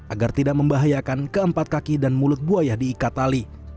agar tidak membahayakan keempat kaki dan mulut buaya diikat tali